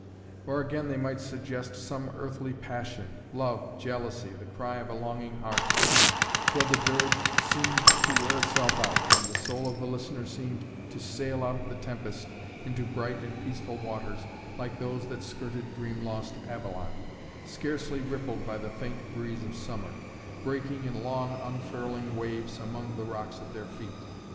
Or again they might suggest some earthly passion, love, jealousy, the cry of a longing heart, till the dirge seemed to wear itself out and the soul of the listener seemed to sail out of the tempest into bright and peaceful waters like those that skirted dream lost Avalon, scarcely rippled by the faint breeze of summer, breaking in long unfurling waves among the rocks at their feet.